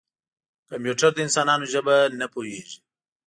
کمپیوټر د انسانانو ژبه نه پوهېږي.